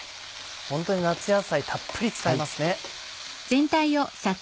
本当に夏野菜たっぷり使いますね。